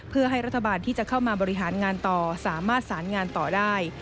เพื่อให้รัฐบาลที่จะเข้ามาบริหารงานต่อสามารถสารงานต่อได้